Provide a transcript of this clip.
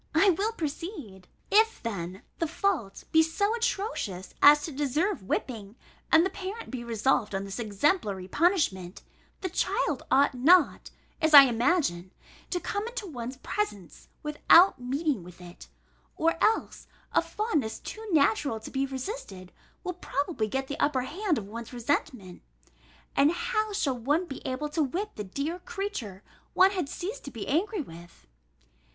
I will proceed. If, then, the fault be so atrocious as to deserve whipping, and the parent be resolved on this exemplary punishment, the child ought not, as I imagine, to come into one's presence without meeting with it: or else, a fondness too natural to be resisted, will probably get the upper hand of one's resentment, and how shall one be able to whip the dear creature one had ceased to be angry with?